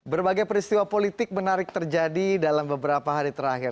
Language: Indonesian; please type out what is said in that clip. berbagai peristiwa politik menarik terjadi dalam beberapa hari terakhir